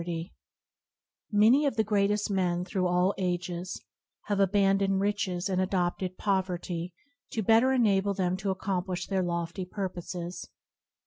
MANY of the greatest men through all ages have abandoned riches and adopted poverty to better enable them to accomplish their lofty purposes.